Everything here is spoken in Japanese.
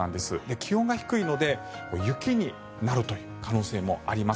気温が低いので雪になる可能性もあります。